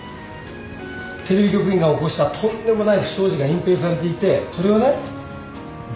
テレビ局員が起こしたとんでもない不祥事が隠蔽されていてそれをね暴露したいんです。